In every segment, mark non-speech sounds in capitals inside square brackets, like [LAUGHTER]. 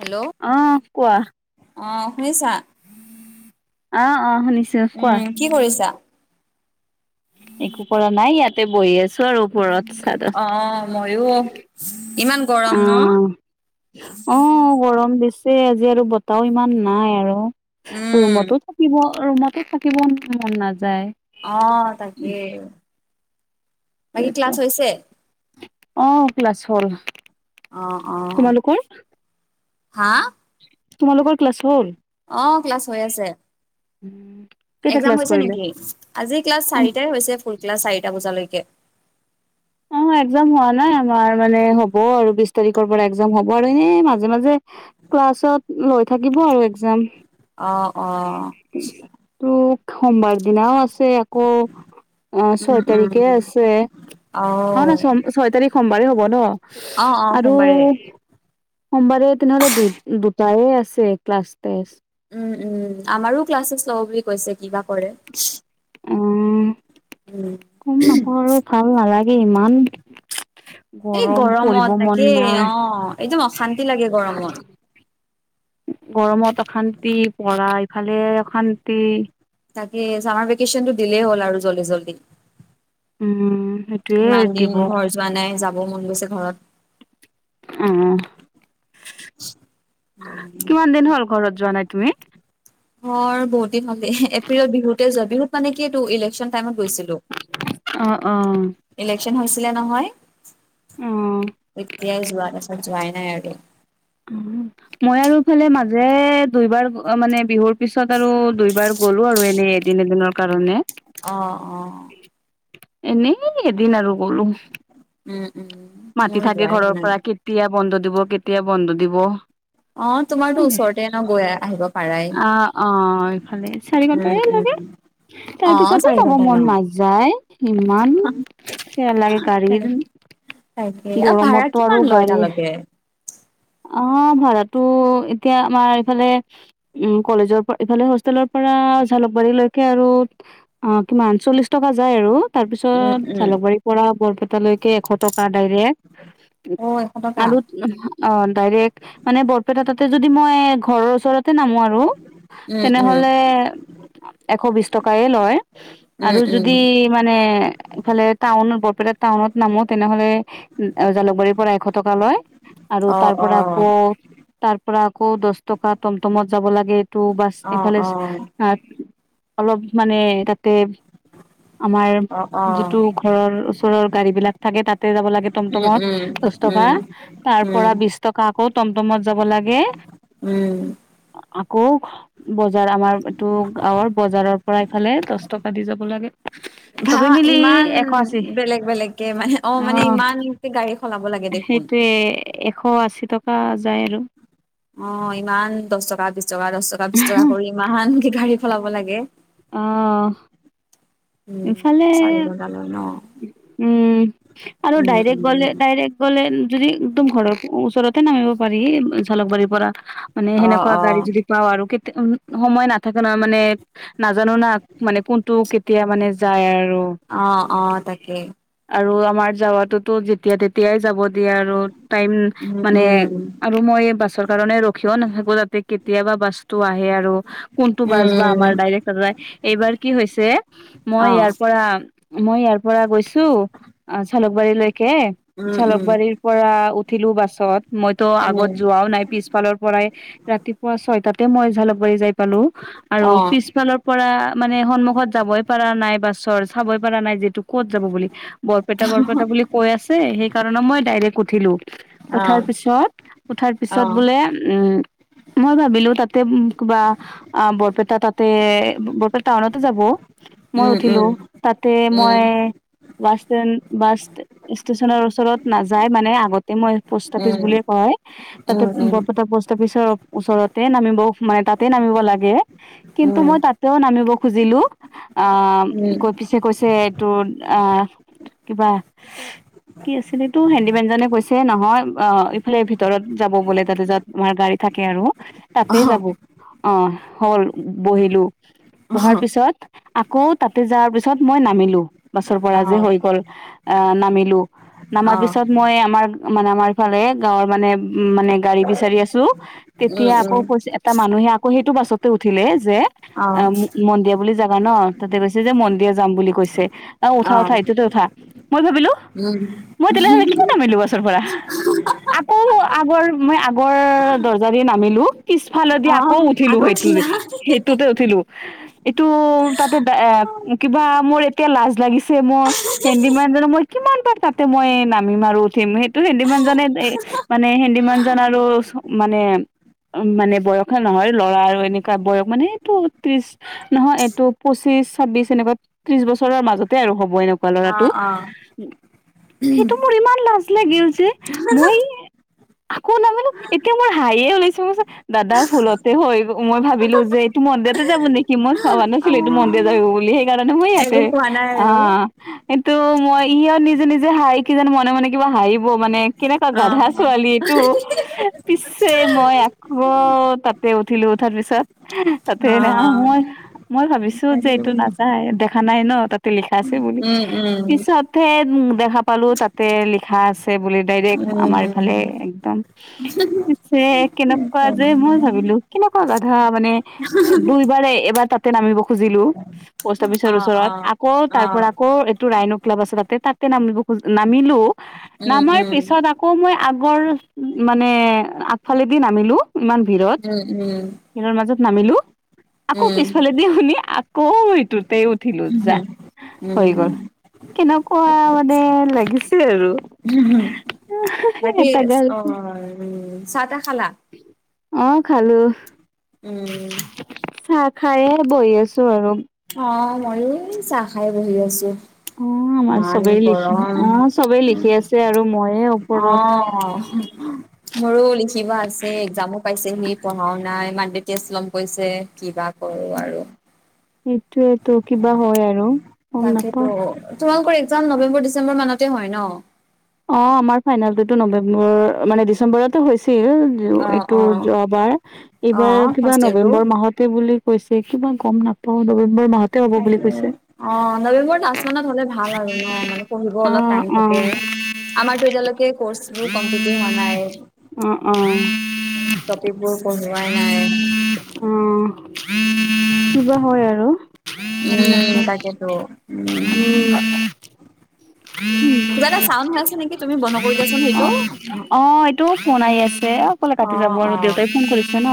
Hello আহ কোৱা। শুছা। অ', অ শুনিছো কোৱা। কৰিছা একো কৰা নাই ইয়াতে বহি আছে। অ মইও ইমান। গৰম ন। অ', বে আজি আৰু বতাহও ইমান নাই আৰু উম ৰুমতো থাকিব। ৰুমতো থাকিব মন নাযায়। অ তাকেই বাকী ক্লাছ হৈছে। অ ক্লাছ হ'ল। অ অ তোমালোকৰ হা। তোমালোকৰ ক্লছ হ'ল। অ ক্লাছ হৈ আছে। [INAUDIBLE] একজাম ক্লাছ হৈছে কৰিলে? নেকি আজি ক্লাছ অ', চাৰিটাই হৈছে ফুল ক্লাছ চাৰিটা বজালৈকে। কে। একজাম হোৱা নাই আমাৰ মানে হ'ব আৰু বিশ তাৰিখৰ পৰা এক্জাম হ'ব আৰু এনে মাজে মাজে। ক্লাছত লৈ থাকিব আৰু একজাম। অ অ তোৰ সোমবাৰ দিনাও আছ। ছে আকৌ অ উম ছয় উম তাৰিখে আছে। অ ন ছয় তাৰিখ সোমবাৰে হ'ব ন অ অ আৰু। সোমবাৰে সোমবাৰে তেনেহ'লে দু দুটাই আছে ক্লাছ তেষ্ট। উম উম আমাৰো ক্লাছেছ ল'ব বুলি কৈছে কিবা কৰে। অ উম গম নাপাওঁ আৰু ভাল নালাগে ইমান। এই গৰম গৰমত পৰিব মন তাকে নাই। অ একদম অশান্তি লাগে গৰমত গৰমত অশান্তি পৰা ইফালে অশান্তি। তাকে চামাৰ ভেকেশচন টো দিলেই হ'ল আৰু জল্দি জল্দি। উম। সেইটোয়ে ইমান দিব দিন অ ঘৰ যোৱা নাই যাব মন গৈছে ঘৰত। ওম কিমান দিন হ'ল ঘৰত যোৱা নাই। তুমি। অ বহুত দিন হ'লে এপ্ৰিলত বিহুতে যোৱা বিহুত মানে কি এইটো ইলেকশ্যন টাইমত। গৈছিলো আহ আহ। সেন হৈছিলে নহয় অ এতিয়াই যোৱা পাছত যোৱাই নাই আৰু। মই আৰু এইফালে মাজে দুইবাৰ অ মানে বিহুৰ পিছত আৰু দুইবাৰ গ'লো আৰু এনেই এদিন এদিনৰ কাৰণে। অ অ। এনেই এদিন আৰু গ'লো। উম উম মাতি মোৰ থাকে যোৱাই হোৱা ঘৰৰ নাই পৰা কেতিয়া বন্ধ দিব কেতিয়া বন্ধ দিব। অ তোমাৰতো আহ ওচৰতে ন গৈ আহিব পাৰাই অ এইফালে চাৰি উম ঘণ্টা উম। অ তাৰ পিছতো চাৰি যাব ঘন্টাই ন মন নাযায় ইমান। নালাগে তাকে আৰু ভাড়া কিমান লয় তালৈকে? অ ভাৰাটো এতিয়া আমাৰ ইফালে উ কলেজৰ পৰা ইফালে হোষ্টেলৰ পৰা জালুকবাৰী লৈকে আৰু অ কিমান চল্লিশ টকা যায় আৰু। তাৰপিছত উম উম জালুকবাৰীৰ পৰা বৰপেটালৈকে এশ টকা। অ অ এশ টকা দাইৰেক মানে বৰপেটা তাতে যদি মই ঘৰৰ ওচৰতে নামো আৰু উম উম তেনেহলে এশ বিশ টকাই লয় উম আৰু উম যদি মানে ইফালে টাউন টাউনত নামো তেনেহলে জালুকবাৰীৰ পৰা এশ টকা লয়। আৰু অ', তাৰ পৰা অ', আকৌ তাৰ পৰা আকৌ দহ টকা মটমত যাব লাগে এইটো বাছ অ', এইফালে অ', অলপ মানে তাতে আমাৰ অ', যিটো ঘৰৰ ওচৰৰ গাড়ী বিলাক থাকে তাতে যাব লাগে উম, টমটমত দহ টকা উম, তাৰ পৰা উম, বিশ টকা আকৌ টমটমত যাব লাগে উম। আকৌ বজাৰ আমাৰ এইটো গাঁৱৰ বজাৰৰ পৰা এইফালে দহ টকা দি যাব লাগে ভা চবে মিলি ইমান এশ আশী বেলেগ বেলেগকে মানে অ মানে ইমানকে গাড়ী সলাব লাগে দেখোন সেইটোৱে এশ আশী টকা যায় আৰু। অ ইমান দহ টকা বিশ টকা দহ টকা দহ টকা বিছ টকা কৰি ইমান গাড়ী সলাব লাগে। আহ। উম চাৰি বজাৰ লৈ নঃ। উম আৰু ডাইৰেক্ট গলে উম। ডাইৰেক্ট গলে যদি একদম ঘৰ ওচৰতে নামিব পাৰি জালুকবাৰীৰ পৰা মানে অ', সেনেকুৱা গাড়ী অ', যদি পাও আৰু সময় নাথাকে নহ মানে নাজানো না মানে কোনটো কেতিয়া মানে যায় আৰু কে আৰু আমাৰ যাৱাতোতো যেতিয়া তেতিয়াই যাব দিয়ে আৰু তাইম উম, মানে উম, আৰু মই বাছৰ কাৰণে ৰখিও নাথাকো যাতে কেতিয়াবা বস্তু আহ আহে আৰু কোনটো বাছ বা উম। আমাৰ ডাইৰেক যায় এইবাৰ কি হৈছে মই অ', আইয়াৰ পৰা মই ইয়াৰ পৰা গৈছো অ জালুকবাৰীলৈকে। উম, উম, জালোকবাৰীৰ পৰা উঠিলো বাছত মইতো আগত উম, যোৱাও নাই পিছফালৰ পৰা ৰাতিপুৱা ছয়টাতে মই জালুকবাৰী যাই পালো আৰু অ', পিছফালৰ পৰা মানে সন্মুখত যাবই পাৰা নাই বাছৰ চাবই পাৰা নাই যিহেটো ক'ত যাব বুলি বৰপেটা বৰপেটা বুলি কৈ আছে সেইকাৰণে মই ডাইৰেক্ট উঠিলোঁ উঠাৰ অ', পিছত উঠাৰ পিছত বোলে উম উ মই ভাবিলো তাতে কিবা অ বৰপেটা তাতে বৰপেটা টাউনতে যাব। মই উম, উঠিলো উম। তাতে উম, মই বাছ ষ্টেণ বাছ ষ্টেচনৰ ওচৰত নাযায় মানে আগতে মই পষ্ট অফিচ উম, বুলিয়ে কয় তাতে উম, বৰপেটা পষ্ট অফিচৰ ওচৰতে নামিব মানে তাতে নামিব লাগে। উম, উম, কিন্তু মই তাতেও নামিব খুজিলো। অ উম। কৈ পিছে কৈছে এইটোৰ অ কিবা কি আছিল এইতো হন্দি বেঞ্জনে কৈছে নহয়, অ ইফালে ভিতৰত যাব বোলে তাতে যাত তমাৰ গাড়ী থাকে আৰু। তাতে অহ, যাব অ হ'ল বহিলো। অহ, বহাৰ পিছত আকৌ তাতে যোৱাৰ পিছত মই নামিলো বাছৰ পৰা যে হৈ গ'ল অ নামিলো। নামাৰ অহ, পিছত মই আমাৰ মানে আমাৰ ইফালে গাঁৱৰ মানে উ মানে, গাড়ী বিচাৰি আছো। উম, তেতিয়া আকৌ উম। এটা মানুহে আকৌ সেইটো বাছতে উঠিলে। যে অহ, অ মন্দিয়া বুলি জাবা ন, তাতে কৈছে যে মন্দিয়া যাম বুলি কৈছে। আহ উঠা অহ, উঠা এইটোতে উঠা মই ভাবিলো উম, মই তেনেহ'লে কি নামিলো গছৰ পৰা [UNINTELLIGIBLE] আকৌ আগৰ মই আগৰ দৰ্জা দি নামিলো, পিছফালেদি অহ, আকৌ উঠিলো আকৌ সেইটো উঠিলা। সেইটোতে উঠিলো। এইটো তাতে এ কিবা মোৰ এতিয়া লাজ লাগিছে, মোৰ হেন্দী মান জক মই কিমান বাৰ তাতে মই নামি মাৰো উঠিম সেইটো হেন্দীমান জনে, এ মানে হেন্দী মানজন আৰু মানে, মানে বয়সে নহয় ল'ৰা আৰু এনেকুৱা বয়স মানে এইটো ত্ৰিশ নহয়, এইটো পঁচিশ তছ ছাব্বিছ এনেকুৱা ত্ৰিছৰৰ মাজত। আৰু হ'ব এনেকুৱা ল'ৰাটো। অহ, অহ, সেইটো মোৰ ইমান লাজ লাগিল যে, আকৌ নামানো এতিয়া মোৰ হাহি ওলাইছে, দাদা ভুলতে হৈ মই ভাবিলো যে মন্দিৰতে যাব নেকি মই ভাবা নাছিলো এইটো মন্দিৰ অহ, যাব বুলি। কাৰণ ম আতে একো কোৱা নাই অ, আৰু অহ, সেইটো মই সিও নিজে নিজে হাঁহি কি যেন মনে মনে কিবা হাৰিব মানে, কেনেকুৱা গাধা অহ। ছোৱালীটো, পিছে মই আকৌ তাতে উঠিলো। উঠাৰ পিছত তাতে এনে অহ, মই মই ভাবিছো যে, এইটো নাযায় দে। খা নাই ন তাতে লিখা আছে বুলি। উম, উম, পিছতহে দেখা পালো তাতে লিখা আছে বুলি ডাইৰেক্ট আমাৰ ইফালে উম। একদম। [UNINTELLIGIBLE] পিছে কেনেকুৱা যে মই ভাবিলো কেনেকুৱা কথা মানে দুইবাৰ এবাৰ ত। তে নামিব খুজিলো। পষ্ট অফিচৰ অহ, ওচৰত। অহ, আকৌ তাৰ অহ, পৰা আকৌ এইটো ৰাইনু ক্লাব আছে তাতে তাতে নাম নামিলো, উম, নামাৰ উম, পিছত আকৌ মই। আগৰ মানে আগফালে দি নামিলো ইমান দূৰত, উম, মাজত। নামিলো। আকৌ পিছফালে উম, দি শুনি আকৌ সেইটোতে উঠিলো যা। হৈ উম। গল কেনেকুৱা মানে লাগিছে আৰু। বাকি এটা গাল অ উ চা তা খালা? অ খালো, উম। চাহ খাইহে বহি আছো আৰু। অ ময়ো চাহ খাই বহি আছো। অ আমাৰ ইমান চবেই লিখি গৰম। আহ চবেই লিখি আছে আৰু মইয়ে অ ওপৰত। মোৰো লিখিব আছে একজামো পাইছেহি, পঢ়াও নাই ইমান। তেতিয়াছ [UNINTELLIGIBLE] লম কৈছে কিবা কৰো আৰু এইটোৱেতো কিবা হয় আৰু। গম তাকেইতো নাপাও তোমালোকৰ একজাম নৱেম্বৰ ডিচেম্বৰ মানতে হয় ন? অ আমাৰ ফাইনেলটো নৱেম্বৰৰ মানে ডিচেম্বৰতো হৈছিল। অ এইটো অ। যোৱাবাৰ অ এইবাৰ কিবা ফাৰ্ষ্ট ইয়েৰটো নৱেম্বৰ মাহতে বুলি, কৈছে, ইমান গম নাপাও নৱেম্বৰ মাহত, ত অ নৱেম্বৰ লাষ্ট মানত হলে ভাল আৰু ন মানে পঢ়িব অ অলপ টাইম অ থাকে। আমাৰতো এতিয়ালৈকে কৰ্চ বোৰ কমপ্লিট হোৱা নাই। অ অ কপিবোৰ পোঢ়োৱাই নাই। অ কিবা হয় আৰু। গম উম নাপাও তাকেতো উম। উম কিবা এটা চাউণ্ড হৈ আছে নেকি তুমি বন্ধ কৰি দিয়াচোন সেইটো। বনাই আছে। অকলে কাটি যাব অ', আৰু অ', দেউতাই ফোন কৰিছে ন।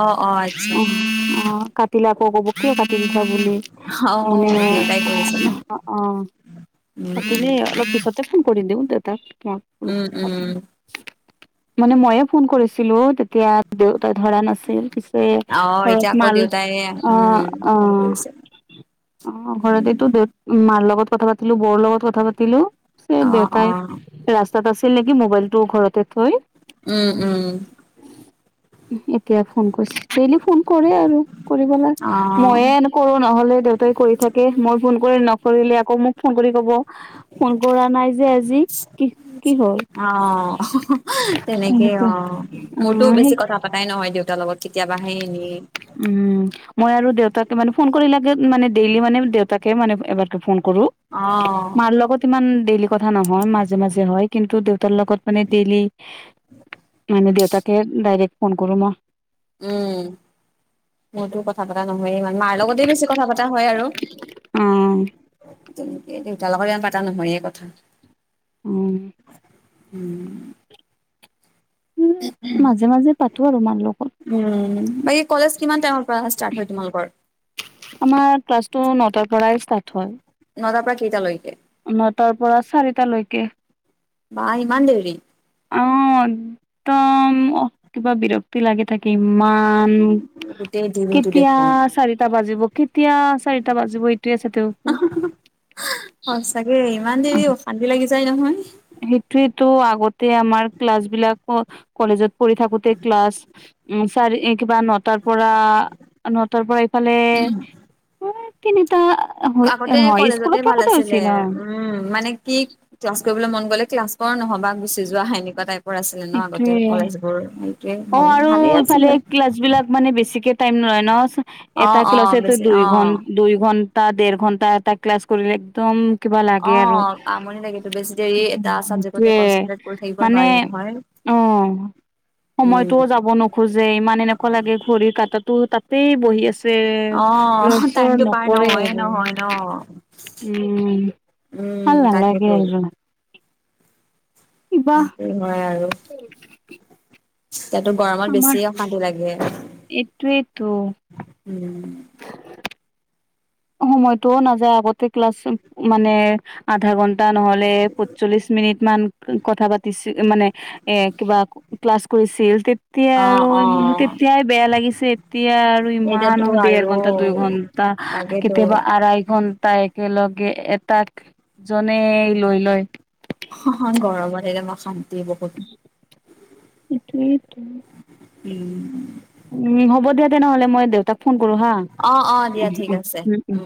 অ', অ', আচ্ছা অ-অ। কাটিলে আকৌ ক'ব কিয় কাটি দিলা বুলি। মানে অ দেউতাই কৰিছে ন। [UNINTELLIGIBLE] অঁ। উম, উম, অলপতে ফোন কৰি দিওঁ উম, দেউতাক-মাক। উম, মানে মইয়েই ফোন কৰিছিলো তেতিয়া দেউতাই ধৰা নাছিল। সেই অ', ঘৰত এতিয়া আকৌ মাল দেউতাই উম, অ-অ। ফোন কৰিছে। অ ঘৰতেতো উম, দেউতা মাৰ লগত। লগত কথা পাতিলো, বৌৰ লগত কথা পাতিলো, অ', দেউতাই অ', ৰা। আছিল নেকি মোবাইল টো ঘৰতে থৈ। উম উম। এতিয়া ফোন কৰিছে ডেইলি ফোন কৰে আৰু কৰিব লাগে অ'। ম‌ইয়েই কৰো। নহলে দেউতাই কৰি থাকে মই ফোন কৰি নকৰিলে আকৌ মোক। ফোন কৰি কব ফোন কৰা নাই যে আজি কি। কি হ'ল অঁ তেনেকেই এনেকে অ মোৰতো অ' সেই বেছি কথা পাতাই নহয় দেউতাৰ লগত কেতিয়াবা হে এনেই। উম মই আৰু দেউতাকে মানে ফোন কৰি লাগে মানে ডেইলি মানে দেউতাকে মানে এবাৰকে ফোন কৰো। অঁ। মাৰ লগত ইমান ডেইলি কথা নহয় মাজে-মাজে হয় কিন্তু দেউতাৰ লগত মানে ডেইলি। মানে দেউতাকহে ডাইৰেক্ট ফোন কৰো মই। উম। মোৰতো কথা পতা নহয়েই ইমান মাৰ লগতে বেছি কথা পতা হয় আৰু। অ' দেউতাৰ লগৰ ইমান পতা নহয়ে কথা। উম। উম। উম, মাজে-মাজে পাতো আৰু মাৰ লগত উম, বাকী কলেজ কিমান টাইমৰ পৰা ষ্টাৰ্ট হয় তোমালোকৰ? আমাৰ ক্লাছটো নটাৰ পৰাই ষ্টাৰ্ট হয়। নটাৰ পৰা কেইটালৈকে? নটাৰ পৰা চাৰিটালৈকে। বা ইমান দেৰি? অহ, একদম কিবা বিৰক্তি লাগি থাকে। মান গোটেই দিনটো কেতিয়া দেখোন চাৰিটা বাজিব-কেতিয়া চাৰিটা বাজিব এইটোৱে চাই থাকো। আহ, সচ্চাকে ইমান দেৰি অশান্তি লাগি যায় নহয়। গোটেই আমাৰ ক্লাছ বিলাক কলেজত পঢ়ি থাকোতে ক্লাছ উম চাৰি কিবা নটাৰ পৰা- নটাৰ পৰা এইফালে [UNINTELLIGIBLE] আগতে কলেজতে ভাল আছিলে হৈছিল অ উম মানে কি [UNINTELLIGIBLE] কৰিবলৈ মন গ'লে ক্লাছ কৰা নহবা গুচি যোৱা হেনেকোৱা টাইপৰ আছিলে ন' আগতে সেইটোৱে কলেজবোৰ। ভাল অ', আৰু ভালেই ইফালে আছিলে ক্লাছবিলাক মানে বেছিকে টাইম লয় ন' অ এটা অ ক্লাছেটো বেছি দুই ঘন অ -দুই ঘন্টা, দেৰ ঘন্টা এটা ক্লাছ কৰিলে একদম কিবা লাগে আৰু অ', আমনি লাগেটো বেছি দেৰি এটা চাবজেক্টতে সেইটোৱে কনচেনট্ৰেট কৰি থাকিব মানে নোৱাৰি নহয়। [INAUDIBLE] সময়তোও যাব নোখোজে ইমান এনেকুৱা লাগে ঘড়ীৰ কাঁটাটো তাতেই বহি আছে। তে অ লৰচৰ টাইমটো পাৰ নকৰে নহয়ে আৰু নহয় ন। উম। উম ভাল তাকেতো নালাগে [UNINTELLIGIBLE] কিবা সেই হয় আৰু। [UNINTELLIGIBLE] এতিয়াটো গৰমত আমাৰ বেছি অশান্তি লাগে [INAUDIBLE] উম। এইটোৱেইতো সময়তটোও নাযায় আগতে ক্লাছ মানে আধা ঘন্টা নহলে পচ্চলিছ মিনিট মান কথা পাতিছিল মানে কিবা ক্লাছ কৰিছিল তে এতিয়া অ আৰু অ সি তেতিয়াই বেয়া লাগিছে এতিয়া আৰু ইমান এতিয়াতো হ'ল ডেৰ আৰু ঘণ্টা- দুই ঘণ্টা তাকেতো কেতিয়াবা আঢ়াই ঘন্টা একেলগে এটাক জন এনে লৈ লয়। শান্তি বহুত। সেইটোৱেইটো। উম উম, হ'ব দিয়া তেনেহ'লে মই দেউতাক ফোন কৰোঁ হা অ অ দিয়া অহ ঠিক - অহ, আছে উম - উম।